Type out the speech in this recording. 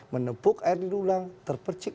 menepuk air di dulang terpercik